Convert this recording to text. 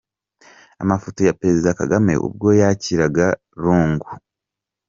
Amafoto ya Perezida Kagame ubwo yakiraga Lungu